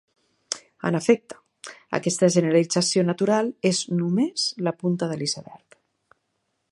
En efecte, aquesta generalització natural és només la punta de l'iceberg.